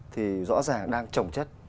thì rõ ràng đang trồng chất